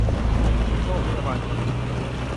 โรงพยาบาลชลบุรี